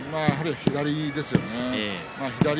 左ですよね